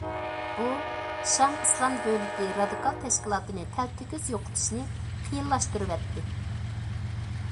بۇ،‹‹ شام ئىسلام دۆلىتى›› رادىكال تەشكىلاتىنى تەلتۆكۈس يوقىتىشنى قىيىنلاشتۇرۇۋەتتى.